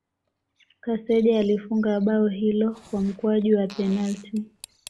Kaseja alifunga bao hilo kwa mkwaju wa penalti